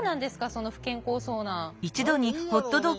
その不健康そうな。